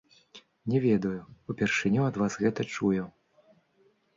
Не ведаю, упершыню ад вас гэта чую.